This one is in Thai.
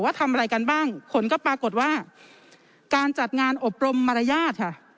ทำอะไรกันบ้างผลก็ปรากฏว่าการจัดงานอบรมมารยาทค่ะ